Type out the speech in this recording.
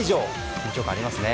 緊張感ありますね。